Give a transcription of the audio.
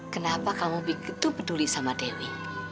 kenapa kamu begitu peduli sama denny